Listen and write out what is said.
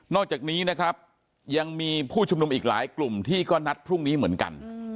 อกจากนี้นะครับยังมีผู้ชุมนุมอีกหลายกลุ่มที่ก็นัดพรุ่งนี้เหมือนกัน